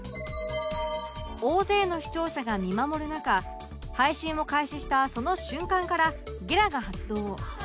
大勢の視聴者が見守る中配信を開始したその瞬間からゲラが発動